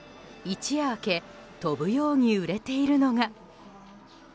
一夜明け飛ぶように売れているのが。